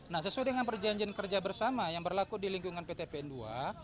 nah sesuai dengan perjanjian kerja bersama yang berlaku di lingkungan pt pn ii